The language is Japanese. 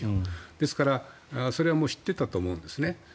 ですから、それは知っていたと思うんですね。